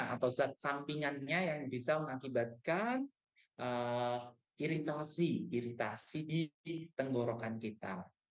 atau zat sampingannya yang bisa mengakibatkan iritasi di tenggorokan kita